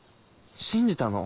信じたの？